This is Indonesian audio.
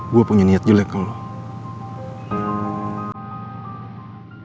gue punya niat jelek ke lo